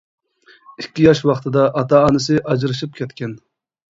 ئىككى ياش ۋاقتىدا ئاتا-ئانىسى ئاجرىشىپ كەتكەن.